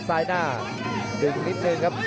ส่วนหน้านั้นอยู่ที่เลด้านะครับ